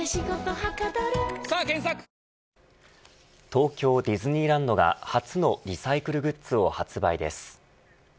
東京ディズニーランドが初のリサイクルグッズを発売です